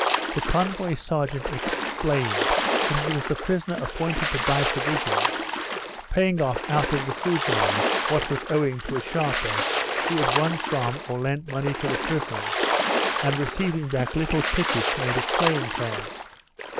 The convoy sergeant explained that it was the prisoner appointed to buy provisions, paying off out of the food money what was owing to a sharper who had won from or lent money to the prisoners, and receiving back little tickets made of playing cards.